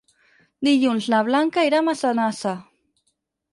Dilluns na Blanca irà a Massanassa.